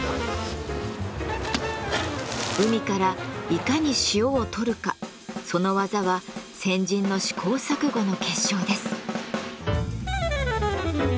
海からいかに塩を採るかその技は先人の試行錯誤の結晶です。